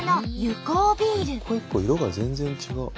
一個一個色が全然違う。